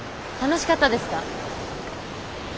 楽しかったですか？